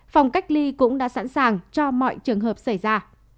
phòng cách ly cũng đã sẵn sàng cho mọi trường hợp xảy ra